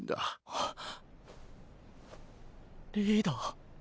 はっ！リーダー？